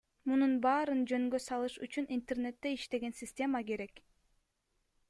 Мунун баарын жөнгө салыш үчүн интернетте иштеген система керек.